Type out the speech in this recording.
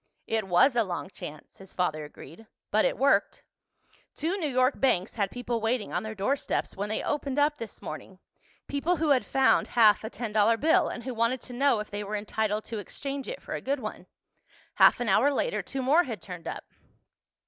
"It was a long chance," his father agreed. "But it worked. Two New York banks had people waiting on their doorsteps when they opened up this morning—people who had found half a ten dollar bill and who wanted to know if they were entitled to exchange it for a good one. Half an hour later two more had turned up.